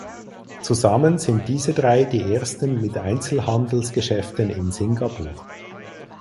Zusammen sind diese drei die ersten mit Einzelhandelsgeschäften in Singapur.